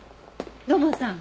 土門さん。